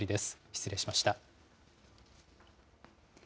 失礼しました。